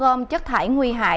thu gom chất thải nguy hại